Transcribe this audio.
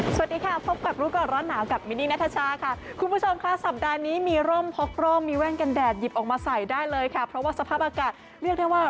สวัสดีค่ะพบกับรู้ก่อนร้อนหนาวกับมินนี่นัทชาค่ะคุณผู้ชมค่ะสัปดาห์นี้มีร่มพกร่มมีแว่นกันแดดหยิบออกมาใส่ได้เลยค่ะเพราะว่าสภาพอากาศเรียกได้ว่า